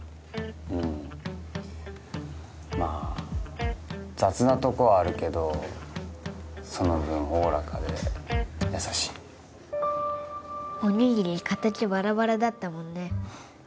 うんまあ雑なとこはあるけどその分おおらかで優しいおにぎり形バラバラだったもんね